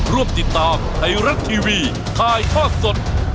ร่วมติดตามไทรักท์ทีวีไทรฟ่าสด